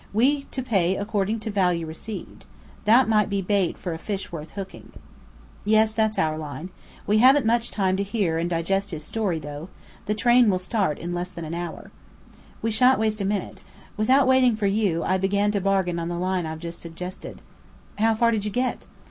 We to pay according to value received. That might be bait for a fish worth hooking." "Yes, that's our line. We haven't much time to hear and digest his story, though. The train will start in less than an hour." "We shan't waste a minute. Without waiting for you, I began to bargain on the line I've just suggested." "How far did you get?"